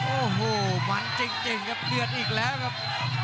โอ้โหมันจริงครับเดือดอีกแล้วครับ